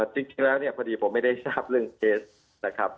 จริงแล้วเนี่ยพอดีผมไม่ได้ทราบเรื่องเคสนะครับ